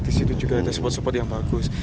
di situ juga ada support spot yang bagus